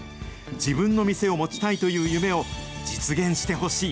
自分の店を持ちたいという夢を実現してほしい。